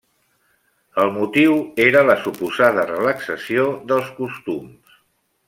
El motiu era la suposada relaxació dels costums.